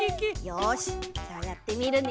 よしじゃあやってみるね！